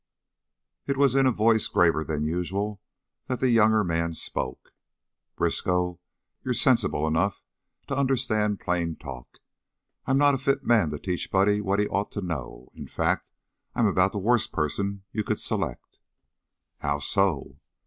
It was in a voice graver than usual that the younger man spoke: "Briskow, you're sensible enough to understand plain talk. I'm not a fit man to teach Buddy what he ought to know. In fact, I'm about the worst person you could select." "How so?"